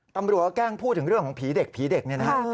แกล้งพูดถึงเรื่องของผีเด็กผีเด็กเนี่ยนะฮะ